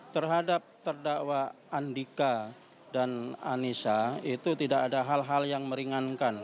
terhadap terdakwa andika dan anissa itu tidak ada hal hal yang meringankan